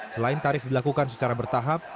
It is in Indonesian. selain tarif dilakukan secara bertahap